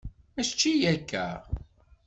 Mačči akka?